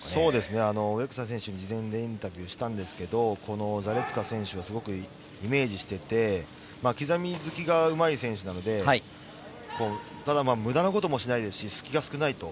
植草選手に事前にインタビューしたんですがザレツカ選手がすごくイメージしていて、刻み突きがうまい選手なので、無駄なこともしないですし隙が少ないと。